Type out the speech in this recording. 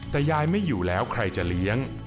แต่ยายไม่อยู่แล้วใครจะเลี้ยง